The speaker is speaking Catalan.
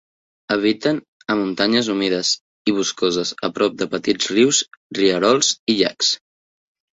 Habiten a muntanyes humides i boscoses a prop de petits rius, rierols i llacs.